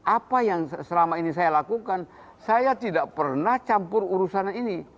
apa yang selama ini saya lakukan saya tidak pernah campur urusan ini